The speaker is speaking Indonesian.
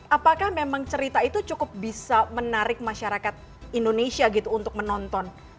apakah memang cerita itu cukup bisa menarik masyarakat indonesia gitu untuk menonton